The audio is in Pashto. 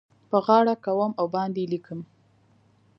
په غاړه کوم او باندې لیکم